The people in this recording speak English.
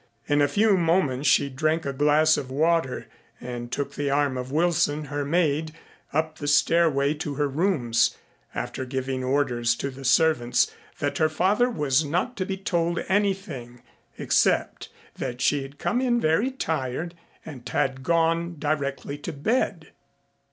In a few moments she drank a glass of water and took the arm of Wilson, her maid, up the stairway to her rooms, after giving orders to the servants that her father was not to be told anything except that she had come in very tired and had gone directly to bed.